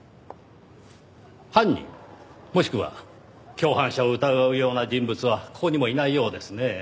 犯人もしくは共犯者を疑うような人物はここにもいないようですねぇ。